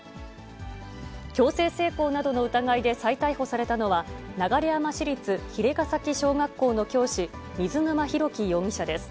強制性交などの疑いで再逮捕されたのは、流山市立鰭ヶ崎小学校の教師、水沼宏嘉容疑者です。